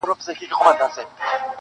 بوډا په ټولو کي پردی سړی لیدلای نه سو!